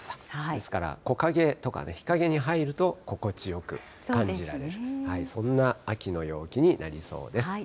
ですから、木陰とかね、日陰に入ると心地よく感じられる、そんな秋の陽気になりそうです。